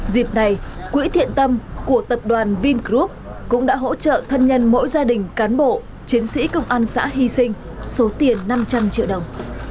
dịp này quỹ thiện tâm của tập đoàn vingroup cũng đã hỗ trợ thân nhân mỗi gia đình cán bộ chiến sĩ công an xã hy sinh số tiền năm trăm linh triệu đồng